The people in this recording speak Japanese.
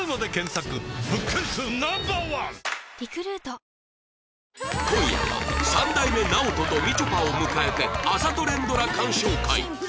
本麒麟今夜は三代目 ＮＡＯＴＯ とみちょぱを迎えてあざと連ドラ鑑賞会